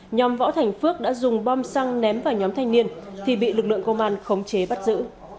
nhóm võ thành phước đã dùng bom xăng ném vào nhóm thanh niên thì bị lực lượng công an khống chế bắt giữ